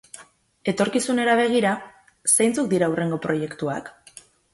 Etorkizunera begira, zeintzuk dira hurrengo proiektuak?